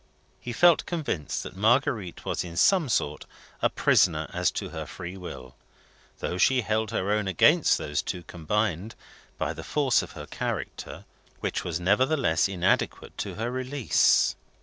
He felt convinced that Marguerite was in some sort a prisoner as to her freewill though she held her own against those two combined, by the force of her character, which was nevertheless inadequate to her release.